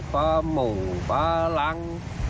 ปลาหม่งปลารัง